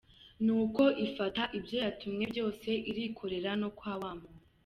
Nuko ifata ibyo yatumwe byose irikorera no kwa wa muntu.